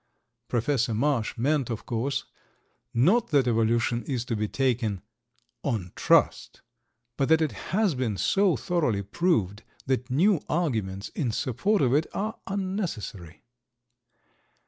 Professor Marsh meant, of course, not that evolution is to be taken "on trust," but that it has been so thoroughly proved that new arguments in support of it are unnecessary.